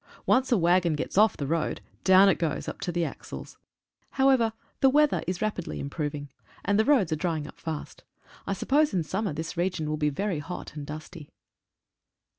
Once a waggon gets off the road, down it goes up to the axles. However, the weather is rapidly im 48 NEUVE CHAPELLE. proving, and the roads are drying up fast. I suppose in summer this region will be very hot and dusty.